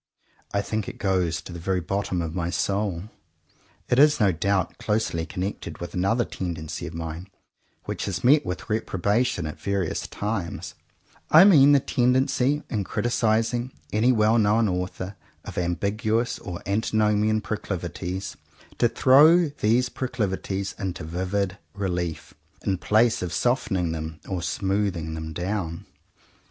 I think it goes to the very bottom of my soul. It is no doubt closely connected with another tendency of mine, which has met with reprobation at various times; I mean the tendency, in criticising any well known author of ambiguous or antinomian proclivities, to throw these proclivities into vivid relief, in place of softening them or smoothing them down.